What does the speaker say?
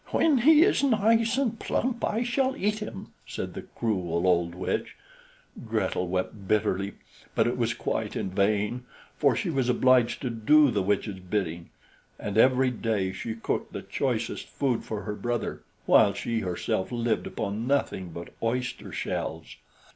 "When he is nice and plump, I shall eat him," said the cruel old witch. Gretel wept bitterly, but it was quite in vain, for she was obliged to do the witch's bidding; and every day she cooked the choicest food for her brother, while she herself lived upon nothing but oyster shells.